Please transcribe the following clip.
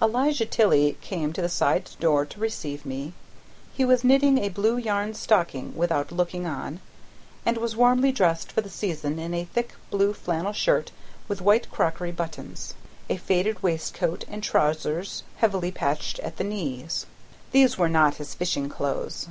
Elijah Tilley came to the side door to receive me; he was knitting a blue yarn stocking without looking on, and was warmly dressed for the season in a thick blue flannel shirt with white crockery buttons, a faded waistcoat and trousers heavily patched at the knees. These were not his fishing clothes.